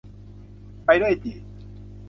ไปด้วยจิ